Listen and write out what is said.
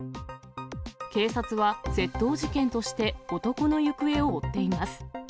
警察は、窃盗事件として男の行方を追っています。